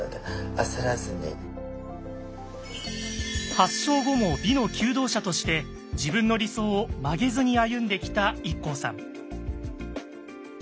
発症後も美の求道者として自分の理想を曲げずに歩んできたＩＫＫＯさん。